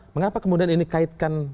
mengapa kemudian ini kaitkan